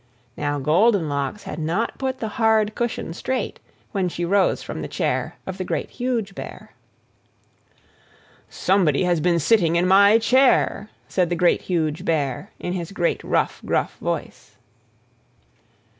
Now Goldenlocks had not put the hard cushion straight when she rose from the chair of the Great, Huge Bear. "SOMEBODY HAS BEEN SITTING IN MY CHAIR!" said the Great, Huge Bear, in his great, rough, gruff voice.